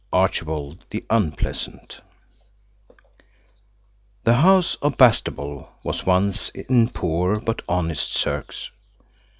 ARCHIBALD THE UNPLEASANT THE house of Bastable was once in poor, but honest, circs.